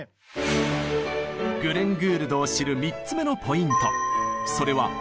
グレン・グールドを知る３つ目のポイント。